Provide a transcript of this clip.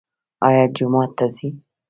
ایا جومات ته ځئ؟